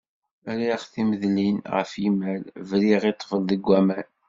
Rriɣ timedlin ɣef yimal, briɣ i ṭṭbel deg uman.